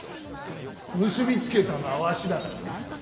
結び付けたのはわしだからな。